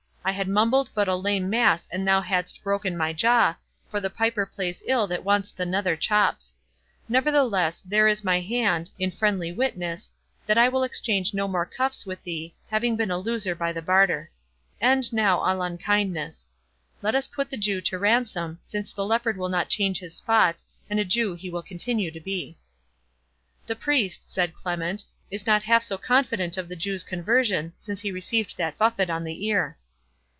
I had mumbled but a lame mass an thou hadst broken my jaw, for the piper plays ill that wants the nether chops. Nevertheless, there is my hand, in friendly witness, that I will exchange no more cuffs with thee, having been a loser by the barter. End now all unkindness. Let us put the Jew to ransom, since the leopard will not change his spots, and a Jew he will continue to be." "The Priest," said Clement, "is not half so confident of the Jew's conversion, since he received that buffet on the ear."